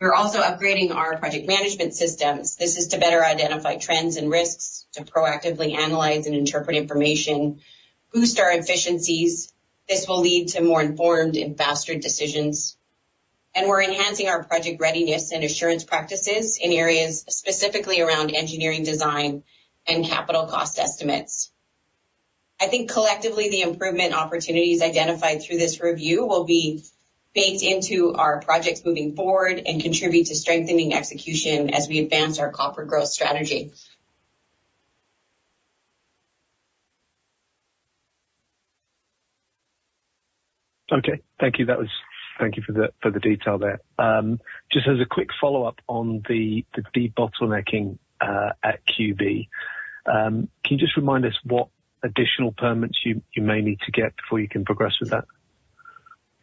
We're also upgrading our project management systems. This is to better identify trends and risks, to proactively analyze and interpret information, boost our efficiencies. This will lead to more informed and faster decisions. We're enhancing our project readiness and assurance practices in areas specifically around engineering design and capital cost estimates. I think collectively, the improvement opportunities identified through this review will be baked into our projects moving forward and contribute to strengthening execution as we advance our copper growth strategy. Okay, thank you. Thank you for the detail there. Just as a quick follow-up on the debottlenecking at QB, can you just remind us what additional permits you may need to get before you can progress with that?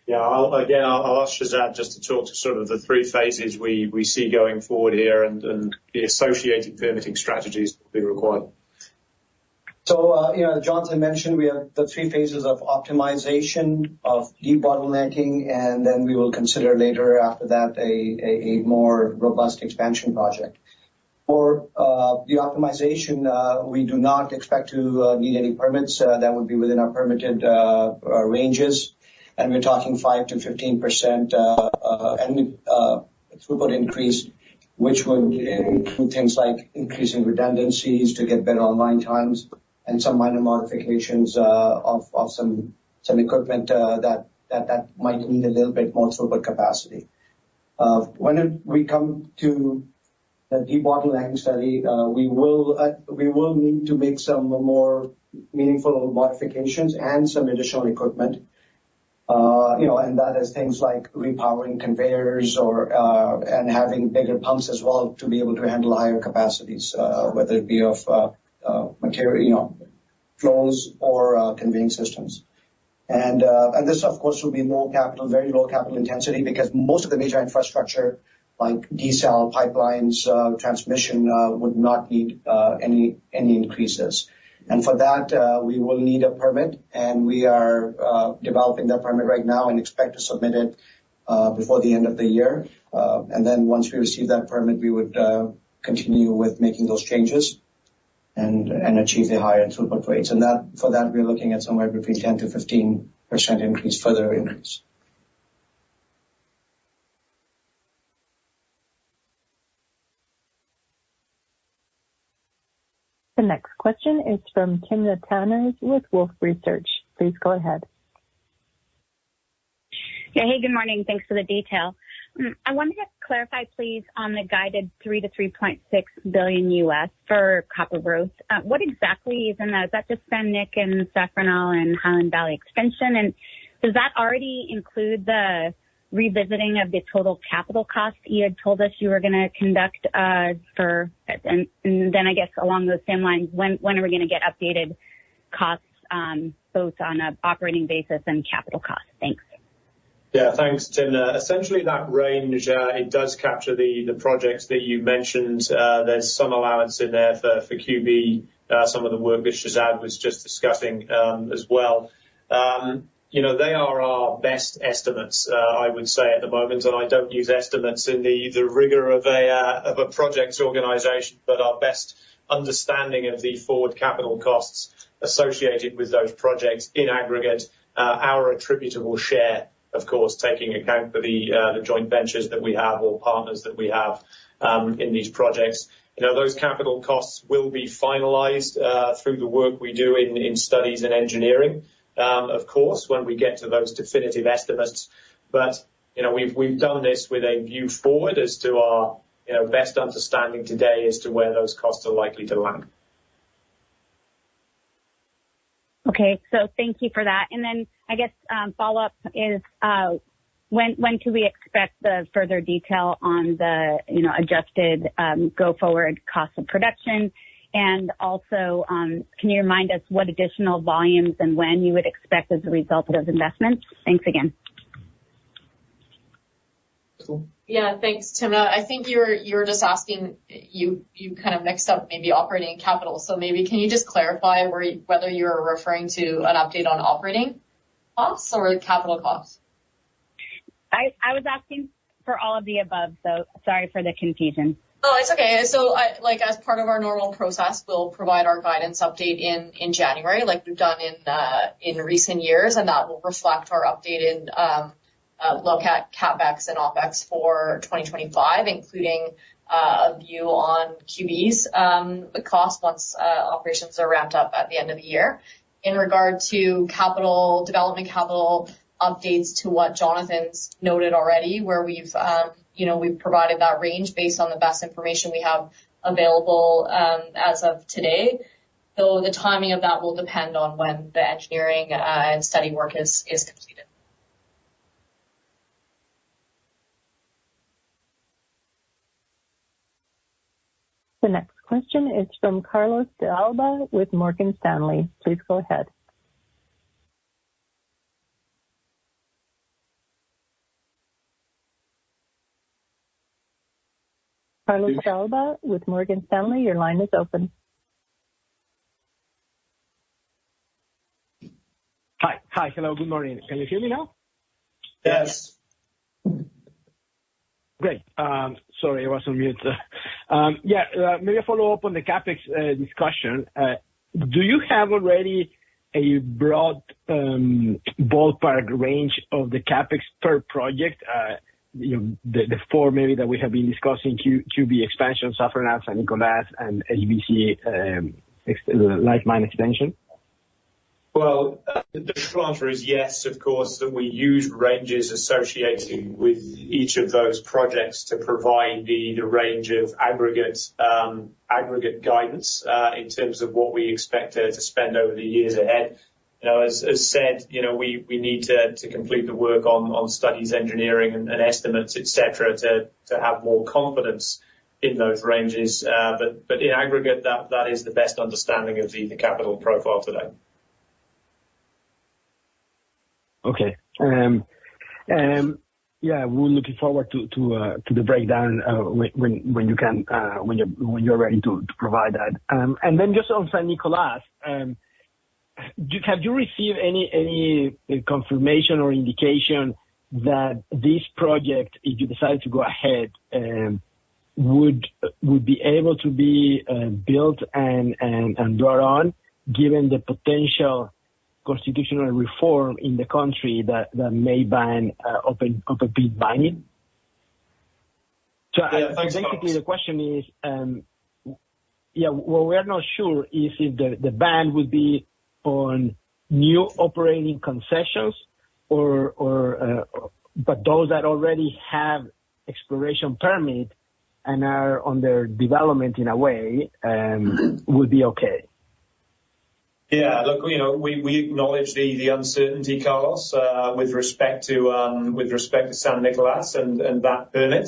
Yeah, I'll again ask Shehzad just to talk to sort of the three phases we see going forward here and the associated permitting strategies that will be required. So, you know, as Jonathan mentioned, we have the three phases of optimization, of debottlenecking, and then we will consider later after that, a more robust expansion project. For the optimization, we do not expect to need any permits that would be within our permitted ranges. And we're talking 5%-15% throughput increase, which would include things like increasing redundancies to get better online times and some minor modifications of some equipment that might need a little bit more throughput capacity. When we come to the debottlenecking study, we will need to make some more meaningful modifications and some additional equipment. You know, and that is things like repowering conveyors or and having bigger pumps as well to be able to handle higher capacities, whether it be of material, you know, flows or conveying systems. And and this, of course, will be low capital, very low capital intensity, because most of the major infrastructure, like desal, pipelines, transmission, would not need any, any increases. And for that, we will need a permit, and we are developing that permit right now and expect to submit it before the end of the year. And then once we receive that permit, we would continue with making those changes and and achieve the higher throughput rates. And that, for that, we're looking at somewhere between 10%-15% increase, further increase. The next question is from Timna Tanners with Wolfe Research. Please go ahead. Yeah. Hey, good morning, thanks for the detail. I wanted to clarify, please, on the guided $3 billion-$3.6 billion for copper growth. What exactly is in that? Is that just San Nicolás and Zafranal and Highland Valley Copper expansion, and does that already include the revisiting of the total capital costs you had told us you were gonna conduct? And then I guess along those same lines, when are we gonna get updated costs, both on an operating basis and capital costs? Thanks. Yeah, thanks, Timna. Essentially that range, it does capture the, the projects that you mentioned. There's some allowance in there for, for QB, some of the work that Shehzad was just discussing, as well. You know, they are our best estimates, I would say at the moment, and I don't use estimates in the, the rigor of a, of a project organization, but our best understanding of the forward capital costs associated with those projects in aggregate, our attributable share, of course, taking account for the, the joint ventures that we have or partners that we have, in these projects. You know, those capital costs will be finalized, through the work we do in, in studies and engineering, of course, when we get to those definitive estimates. You know, we've done this with a view forward as to our, you know, best understanding today as to where those costs are likely to land. Okay. So thank you for that. And then I guess, follow-up is, when can we expect the further detail on the, you know, adjusted, go-forward cost of production? And also, can you remind us what additional volumes and when you would expect as a result of those investments? Thanks again. Cool. Yeah, thanks, Timna. I think you're just asking—you kind of mixed up maybe operating capital. So maybe can you just clarify where, whether you're referring to an update on operating costs or capital costs?... I was asking for all of the above, so sorry for the confusion. No, it's okay. So, like, as part of our normal process, we'll provide our guidance update in January, like we've done in recent years, and that will reflect our updated look at CapEx and OpEx for 2025, including a view on QB's the cost once operations are ramped up at the end of the year. In regard to capital development capital updates to what Jonathan's noted already, where we've, you know, we've provided that range based on the best information we have available as of today, though the timing of that will depend on when the engineering and study work is completed. The next question is from Carlos de Alba with Morgan Stanley. Please go ahead. Carlos de Alba with Morgan Stanley, your line is open. Hi. Hi. Hello, good morning. Can you hear me now? Yes. Great. Sorry, I was on mute. Yeah, maybe a follow-up on the CapEx discussion. Do you have already a broad ballpark range of the CapEx per project, you know, the four maybe that we have been discussing, QB expansion, Zafranal, San Nicolás, and HVC Life Mine expansion? Well, the short answer is yes, of course, that we use ranges associated with each of those projects to provide the range of aggregate guidance, in terms of what we expect to spend over the years ahead. You know, as said, you know, we need to complete the work on studies, engineering, and estimates, et cetera, to have more confidence in those ranges. But in aggregate, that is the best understanding of the capital profile today. Okay. And yeah, we're looking forward to the breakdown, when you're ready to provide that. And then just on San Nicolás, have you received any confirmation or indication that this project, if you decide to go ahead, would be able to be built and brought on, given the potential constitutional reform in the country that may ban open pit mining? Yeah, thanks, Carlos. Basically, the question is, we are not sure if the ban would be on new operating concessions or but those that already have exploration permit and are on their development in a way, would be okay. Yeah, look, you know, we acknowledge the uncertainty, Carlos, with respect to San Nicolás and that permit.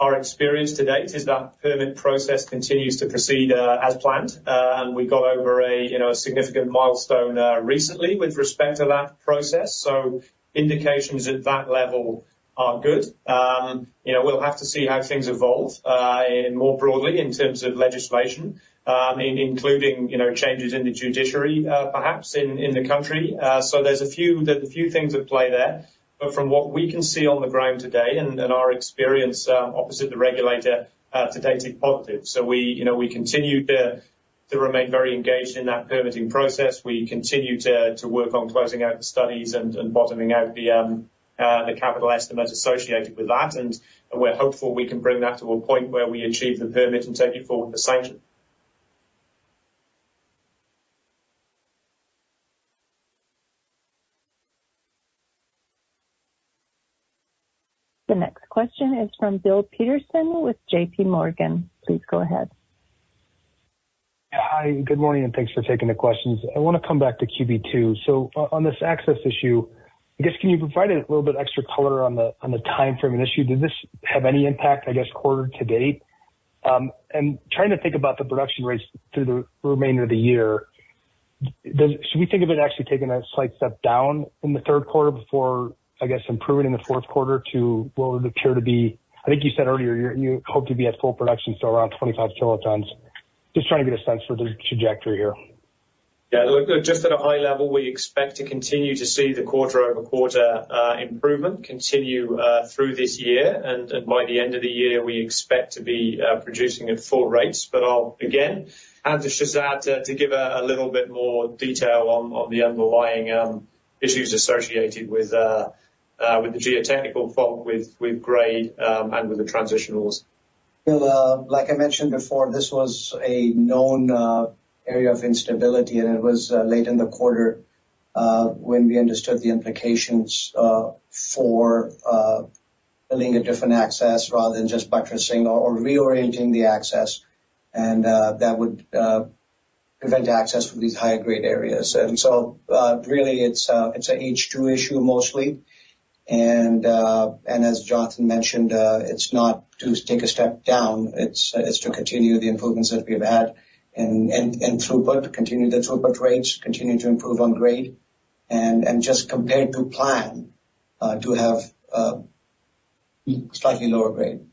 Our experience to date is that permit process continues to proceed as planned. And we got over a, you know, a significant milestone recently with respect to that process. So indications at that level are good. You know, we'll have to see how things evolve in more broadly in terms of legislation, including, you know, changes in the judiciary, perhaps in the country. So there's a few things at play there, but from what we can see on the ground today and our experience opposite the regulator to date is positive. So we, you know, continue to remain very engaged in that permitting process. We continue to work on closing out the studies and bottoming out the capital estimates associated with that, and we're hopeful we can bring that to a point where we achieve the permit and take it forward for sanction. The next question is from Bill Peterson with JPMorgan. Please go ahead. Hi, good morning, and thanks for taking the questions. I wanna come back to QB2. So on this access issue, I guess, can you provide a little bit extra color on the, on the timeframe and issue? Does this have any impact, I guess, quarter to date? And trying to think about the production rates through the remainder of the year, does... Should we think of it actually taking a slight step down in the third quarter before, I guess, improving in the fourth quarter to what would appear to be, I think you said earlier, you hope to be at full production, so around 25 kilotons. Just trying to get a sense for the trajectory here. Yeah, look, just at a high level, we expect to continue to see the quarter-over-quarter improvement continue through this year, and, and by the end of the year, we expect to be producing at full rates. But I'll again hand to Shehzad to give a little bit more detail on the underlying issues associated with the geotechnical fault, with grade, and with the transition ores. Bill, like I mentioned before, this was a known area of instability, and it was late in the quarter when we understood the implications for building a different access rather than just buttressing or reorienting the access. And that would prevent access for these higher grade areas. And so, really, it's a H2 issue mostly. And as Jonathan mentioned, it's not to take a step down, it's to continue the improvements that we've had and throughput, continue the throughput rates, continue to improve on grade, and just compared to plan to have slightly lower grade.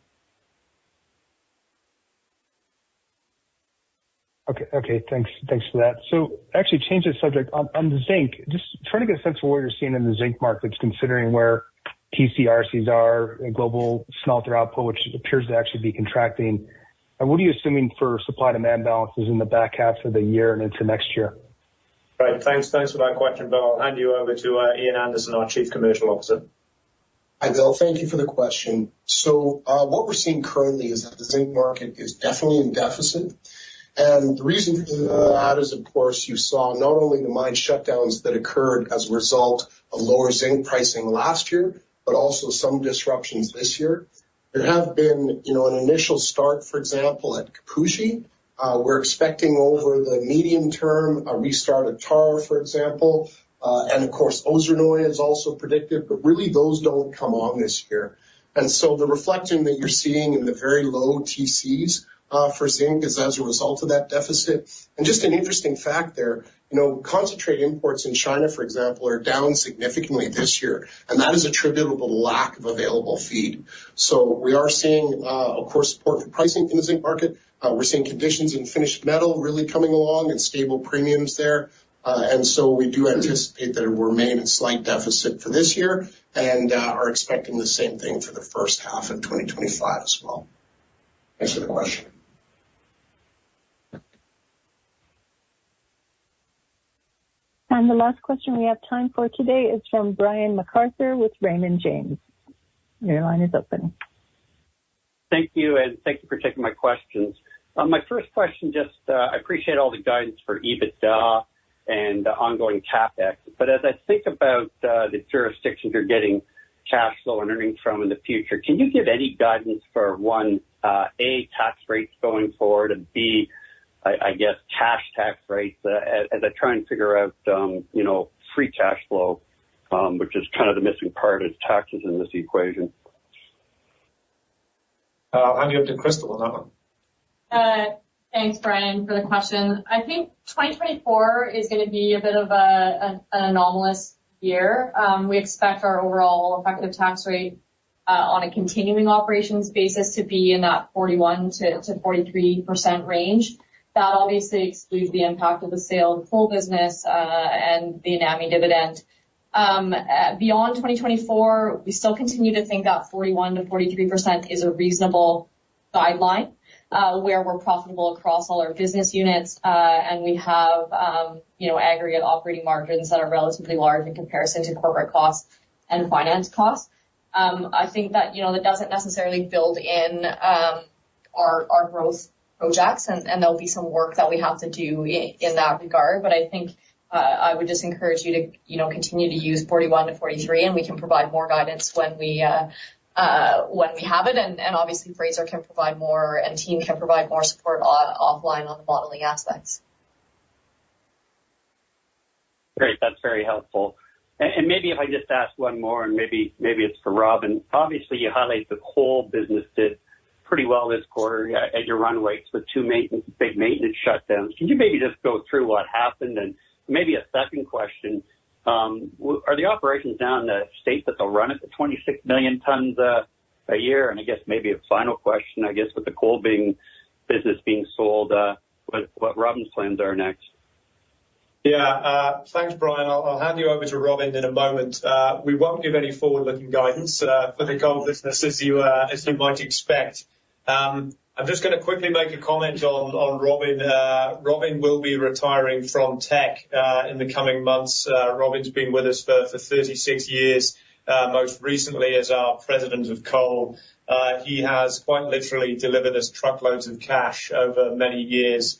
Okay, okay, thanks. Thanks for that. So actually change the subject. On the zinc, just trying to get a sense of what you're seeing in the zinc markets, considering where TC/RCs are in global smelter output, which appears to actually be contracting. And what are you assuming for supply-demand balances in the back half of the year and into next year? Great. Thanks. Thanks for that question, Bill. I'll hand you over to Ian Anderson, our Chief Commercial Officer. Hi, Bill. Thank you for the question. So, what we're seeing currently is that the zinc market is definitely in deficit, and the reason for that is, of course, you saw not only the mine shutdowns that occurred as a result of lower zinc pricing last year, but also some disruptions this year. There have been, you know, an initial start, for example, at Kipushi. We're expecting over the medium term, a restart at Tara, for example, and of course, Ozernoye is also predicted, but really, those don't come on this year. And so the reflection that you're seeing in the very low TCs for zinc is as a result of that deficit. And just an interesting fact there, you know, concentrate imports in China, for example, are down significantly this year, and that is attributable to lack of available feed. So we are seeing, of course, support for pricing in the zinc market. We're seeing conditions in finished metal really coming along and stable premiums there. And so we do anticipate that it will remain in slight deficit for this year and are expecting the same thing for the first half of 2025 as well. Thanks for the question. The last question we have time for today is from Brian MacArthur with Raymond James. Your line is open. Thank you, and thank you for taking my questions. My first question, just, I appreciate all the guidance for EBITDA and the ongoing CapEx, but as I think about, the jurisdictions you're getting cash flow and earnings from in the future, can you give any guidance for one, A, tax rates going forward, and B, I guess, cash tax rates, as I try and figure out, you know, free cash flow, which is kind of the missing part of taxes in this equation? I'll hand you over to Crystal on that one. Thanks, Brian, for the question. I think 2024 is gonna be a bit of an anomalous year. We expect our overall effective tax rate on a continuing operations basis to be in that 41%-43% range. That obviously excludes the impact of the sale of coal business and the Antamina dividend. Beyond 2024, we still continue to think that 41%-43% is a reasonable guideline where we're profitable across all our business units and we have, you know, aggregate operating margins that are relatively large in comparison to corporate costs and finance costs. I think that, you know, that doesn't necessarily build in our growth projects, and there'll be some work that we have to do in that regard. I think, I would just encourage you to, you know, continue to use 41%-43%, and we can provide more guidance when we have it, and obviously, Fraser can provide more, and team can provide more support offline on the modeling aspects. Great, that's very helpful. And maybe if I just ask one more, and maybe it's for Robin. Obviously, you highlight the coal business did pretty well this quarter at your run rates with two big maintenance shutdowns. Can you maybe just go through what happened? And maybe a second question, are the operations now in the state that they'll run at the 26 million tons a year? And I guess maybe a final question, I guess, with the coal business being sold, what Robin's plans are next? Yeah, thanks, Brian. I'll, I'll hand you over to Robin in a moment. We won't give any forward-looking guidance for the coal business as you, as you might expect. I'm just gonna quickly make a comment on, on Robin. Robin will be retiring from Teck in the coming months. Robin's been with us for, for 36 years, most recently as our president of coal. He has quite literally delivered us truckloads of cash over many years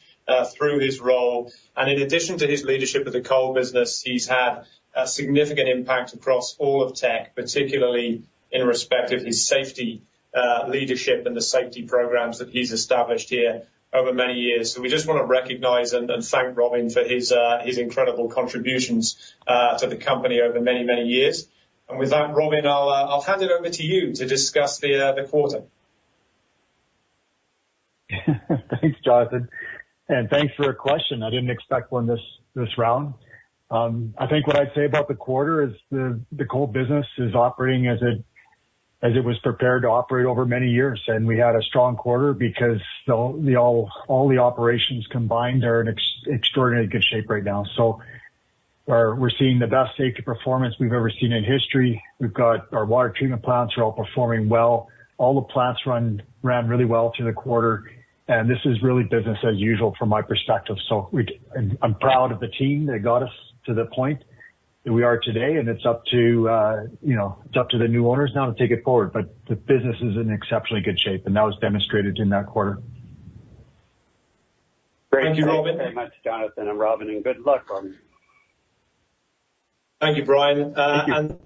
through his role. And in addition to his leadership of the coal business, he's had a significant impact across all of Teck, particularly in respect of his safety leadership and the safety programs that he's established here over many years. So we just wanna recognize and thank Robin for his incredible contributions to the company over many, many years. With that, Robin, I'll hand it over to you to discuss the quarter. Thanks, Jonathan, and thanks for your question. I didn't expect one this, this round. I think what I'd say about the quarter is the coal business is operating as it was prepared to operate over many years, and we had a strong quarter because all the operations combined are in extraordinarily good shape right now. So we're seeing the best safety performance we've ever seen in history. We've got our water treatment plants are all performing well. All the plants ran really well through the quarter, and this is really business as usual from my perspective. So and I'm proud of the team that got us to the point that we are today, and it's up to, you know, it's up to the new owners now to take it forward. The business is in exceptionally good shape, and that was demonstrated in that quarter. Great. Thank you, Robin. Thank you very much, Jonathan and Robin, and good luck, Robin. Thank you, Brian. Thank you.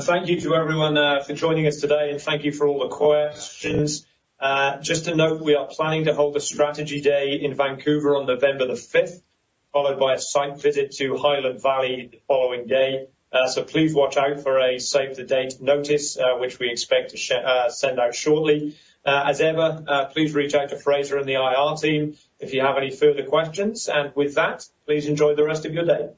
Thank you to everyone for joining us today, and thank you for all the questions. Just a note, we are planning to hold a strategy day in Vancouver on November the fifth, followed by a site visit to Highland Valley the following day. So please watch out for a save-the-date notice, which we expect to send out shortly. As ever, please reach out to Fraser and the IR team if you have any further questions. And with that, please enjoy the rest of your day.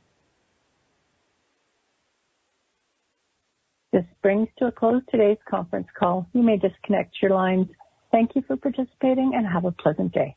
This brings to a close today's conference call. You may disconnect your lines. Thank you for participating, and have a pleasant day.